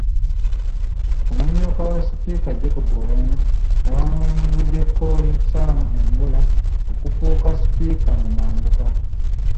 Omumyuka wa Sipiika Jacob Oulanyah yawangudde Col. Sam Engola okufuuka Ssentebe mu Mambuka.